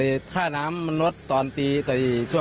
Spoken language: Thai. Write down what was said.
แต่เถอะน้ำรอบ๊อนด์ต่อเที่ยว